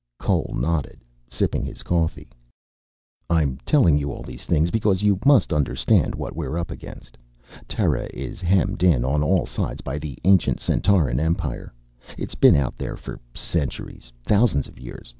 Cole nodded, sipping his coffee. "I'm telling you all these things because you must understand what we're up against. Terra is hemmed in on all sides by the ancient Centauran Empire. It's been out there for centuries, thousands of years.